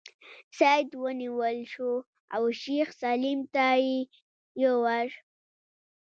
سید ونیول شو او شیخ سلیم ته یې یووړ.